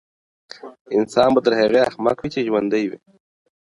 انسان به تر هغې احمق وي چي ژوندی وي.